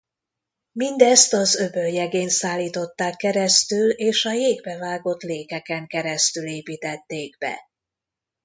Mindezt az öböl jegén szállították keresztül és a jégbe vágott lékeken keresztül építették be.